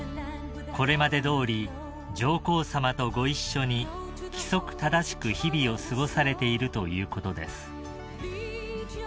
［これまでどおり上皇さまとご一緒に規則正しく日々を過ごされているということです］